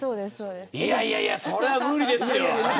いやいやいやそれは無理ですよ。